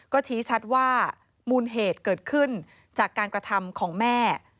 ก็ชี้ชัดว่ามูลเหตุเกิดขึ้นจากการกระทำของแม่